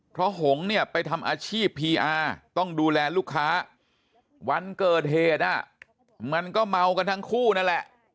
เพราะหงษ์เนี่ยไปทำอาชีพพีอาร์ต้องดูแลลูกค้าวันเกิดเหตุมันก็เมากันทั้งคู่นั่นแหละ